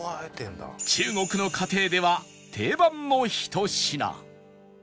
中国の家庭では定番のひと品